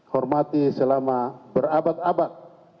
hormati selama berabad abad